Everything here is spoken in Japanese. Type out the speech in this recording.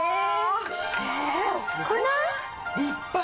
立派！